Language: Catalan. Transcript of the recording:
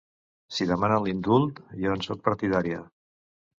Si demanen l’indult, jo en sóc partidària.